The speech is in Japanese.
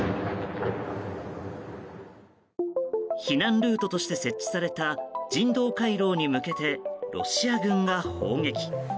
避難ルートとして設置された人道回廊に向けてロシア軍が砲撃。